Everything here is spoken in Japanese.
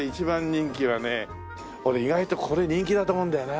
俺意外とこれ人気だと思うんだよな。